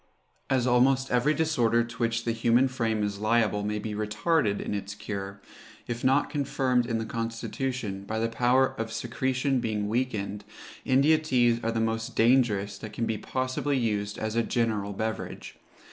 As almost every disorder to which the human frame is liable may be retarded in its cure, if not confirmed in the constitution, by the power of secretion being weakened, India teas are the most dangerous that can be possibly used as a general beverage.